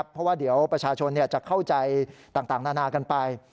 เพราะว่าเดี๋ยวประชาชนจะเข้าใจต่างนานากันไป